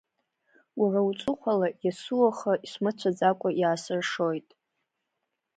Уара уҵыхәала иасуаха смыцәаӡакәа иаасыршоит.